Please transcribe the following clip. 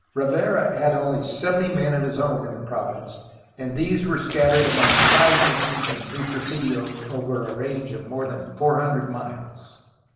Rivera had only seventy men of his own in the province, and these were scattered among five missions and two presidios over a range of more than four hundred miles.